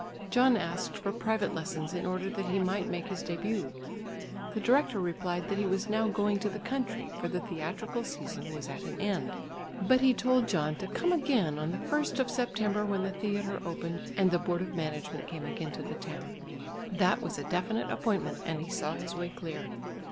John asked for private lessons in order that he might make his début. The director replied that he was now going to the country for the theatrical season was at an end, but he told John to come again on the 1st of September when the theatre opened, and the board of management came again to the town. That was a definite appointment and he saw his way clear.